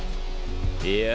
いや。